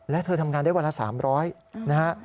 และเธอทำงานได้วันละ๓๐๐นะฮะ